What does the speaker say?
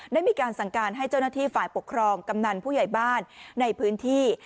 ได้มีการสั่งการให้เจ้าหน้าที่ฝ่ายปกครองกำนันผู้ใหญ่บ้านในพื้นที่